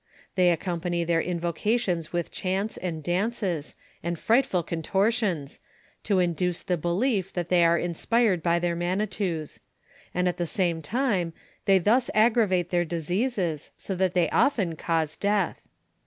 They accompany their invocations with ohant^ and dances, and frightful contortions^ to induce the belief that thoy are inspired by their uianitous; and at the same time they thus aggravate their diseases, so tliat they often cause death.